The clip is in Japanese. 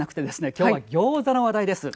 きょうはギョーザの話題です。